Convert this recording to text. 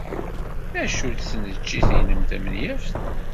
D acu-tt tneččit-nnem tamenyaft?